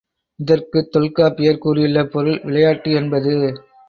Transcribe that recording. இதற்குத் தொல்காப்பியர் கூறியுள்ள பொருள் விளையாட்டு என்பது.